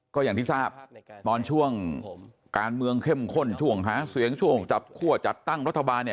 ก็อย่างที่ทราบตอนช่วงการเมืองเข้มข้นช่วงหาเสียงช่วงจับคั่วจัดตั้งรัฐบาล